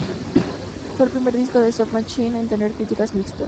Fue el primer disco de Soft Machine en tener críticas mixtas.